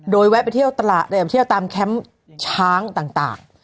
โดยแวะไปเที่ยวตลาดเที่ยวตามแคมป์ช้างต่าง